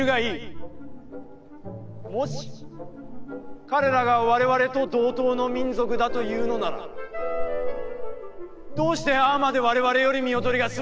もし彼らがわれわれと同等の民族だというのなら、どうしてああまでわれわれより見劣りがするのか？